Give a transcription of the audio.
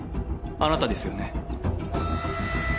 あなたですよね。